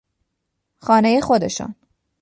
خانهی خودشان